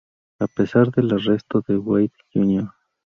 A pesar del arresto de Wade Jr.